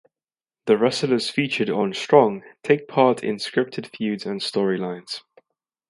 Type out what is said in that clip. The wrestlers featured on "Strong" take part in scripted feuds and storylines.